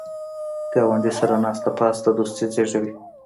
ګاونډي سره ناسته پاسته دوستي زیږوي